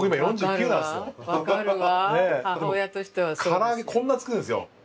から揚げこんな作るんですよ。